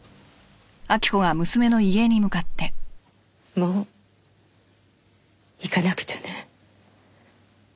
もう行かなくちゃね。